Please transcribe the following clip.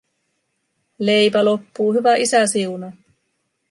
Leipä loppuu, hyvä isä siunaa.